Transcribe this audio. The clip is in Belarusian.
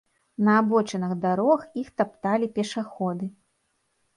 На абочынах дарог іх тапталі пешаходы.